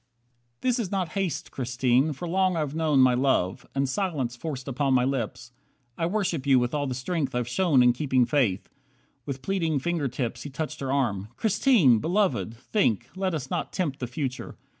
41 This is not haste, Christine, for long I've known My love, and silence forced upon my lips. I worship you with all the strength I've shown In keeping faith." With pleading finger tips He touched her arm. "Christine! Beloved! Think. Let us not tempt the future.